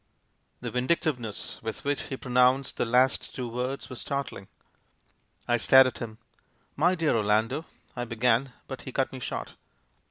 The vindictiveness with which he pronounced the last two words was startling. I stared at him. "My dear Orlando " I began, but he cut me short.